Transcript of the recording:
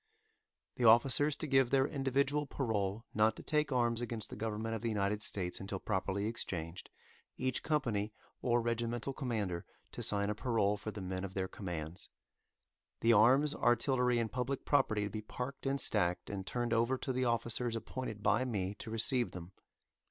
The officers to give their individual parole not to take arms against the government of the United States until properly exchanged, each company or regimental commander to sign a parole for the men of their commands. The arms, artillery, and public property to be parked and stacked, and turned over to the officers appointed by me to receive them.